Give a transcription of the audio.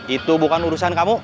itu bukan urusan kamu